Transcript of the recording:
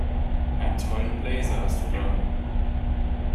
Einen tollen Blazer hast du da!